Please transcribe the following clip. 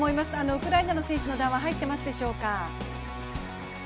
ウクライナの選手の談話、入っていますでしょうか？